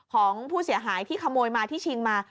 ของผู้เสียหายที่ขโมยมาที่ชิงมา